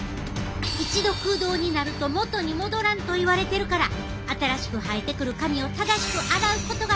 一度空洞になると元に戻らんといわれてるから新しく生えてくる髪を正しく洗うことが重要やで！